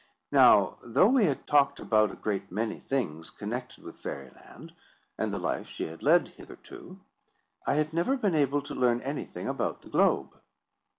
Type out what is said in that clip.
Now, though we had talked about a great many things connected with Fairy Land, and the life she had led hitherto, I had never been able to learn anything about the globe.